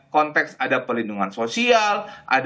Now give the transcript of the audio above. konteks ada pelindungan sosial